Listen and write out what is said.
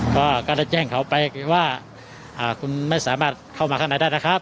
ก็ได้แจ้งเขาไปว่าคุณไม่สามารถเข้ามาข้างในได้นะครับ